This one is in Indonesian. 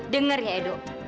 dengar ya edo